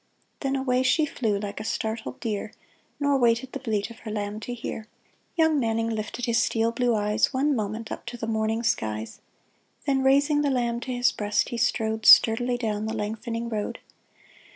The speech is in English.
Then away she flew like a startled deer, Nor waited the bleat of her lamb to hear. Young Manning lifted his steel blue eyes One moment up to the morning skies ; Then, raising the lamb to his breast, he strode Sturdily down the lengthening road.